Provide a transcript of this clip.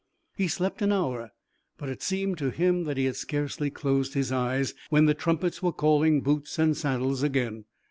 He slept an hour, but it seemed to him that he had scarcely closed his eyes, when the trumpets were calling boots and saddles again.